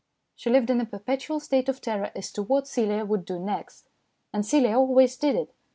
She lived in a perpetual state of terror as to what Celia would do next, and Celia always did it.